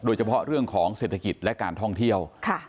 โดยเฉพาะเรื่องของเศรษฐกิจและการท่องเที่ยว